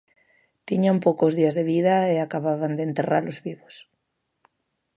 Tiñan poucos días de vida e acababan de enterralos vivos.